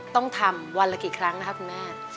ต้องทำวันละกี่ครั้งนะคะคุณแม่